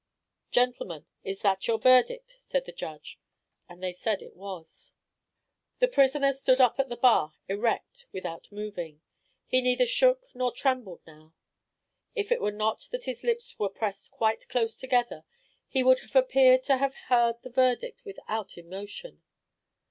"Gentlemen, is that your verdict?" said the judge; and they said it was. The prisoner stood up at the bar erect without moving. He neither shook nor trembled now. If it were not that his lips were pressed quite close together, he would have appeared to have heard the verdict without emotion.